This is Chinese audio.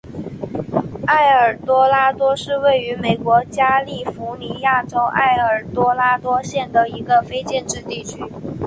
埃尔多拉多是位于美国加利福尼亚州埃尔多拉多县的一个非建制地区。